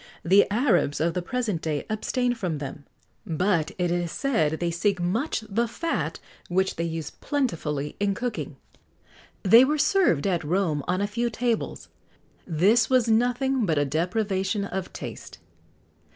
[XX 79] The Arabs of the present day abstain from them; but it is said they seek much the fat, which they use plentifully in cooking. They were served at Rome on a few tables. This was nothing but a depravation of taste.